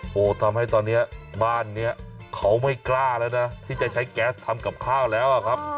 โอ้โหทำให้ตอนนี้บ้านนี้เขาไม่กล้าแล้วนะที่จะใช้แก๊สทำกับข้าวแล้วอะครับ